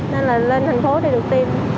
nên là lên tp hcm để được tiêm